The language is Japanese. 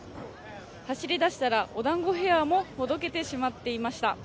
走り出したら、おだんごヘアもほどけてしまっていました。